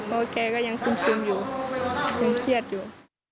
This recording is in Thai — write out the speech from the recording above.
เพราะแกก็ยังซึมอยู่ยังเครียดอยู่